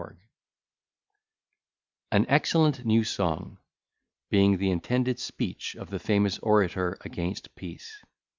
_] AN EXCELLENT NEW SONG BEING THE INTENDED SPEECH OF A FAMOUS ORATOR AGAINST PEACE.